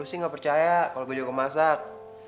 lo sih gak percaya kalo gue jago masak